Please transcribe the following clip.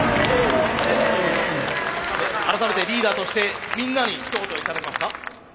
改めてリーダーとしてみんなにひと言頂けますか？